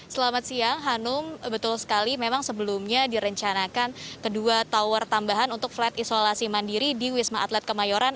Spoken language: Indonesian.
selamat siang hanum betul sekali memang sebelumnya direncanakan kedua tower tambahan untuk flat isolasi mandiri di wisma atlet kemayoran